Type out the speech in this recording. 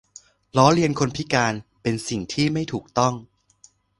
ล้อเลียนคนพิการ เป็นสิ่งที่ไม่ถูกต้อง